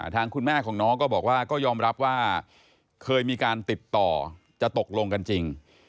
ทางคุณแม่ของน้องก็บอกว่าก็ยอมรับว่าเคยมีการติดต่อจะตกลงกันจริง